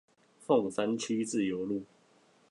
鳳山區自由路